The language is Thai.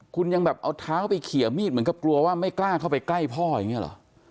คุณยังแบบเอาเท้าไปเขียมีดเหมือนกับกลัวว่าไม่กล้าเข้าไปใกล้พ่ออย่างนี้เหรอ